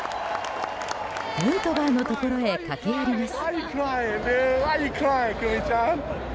ヌートバーのところへ駆け寄ります。